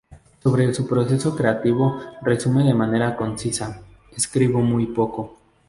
Sobre su proceso creativo, resume de manera concisa: “escribo muy poco.